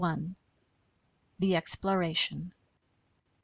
THE EXPLORATION.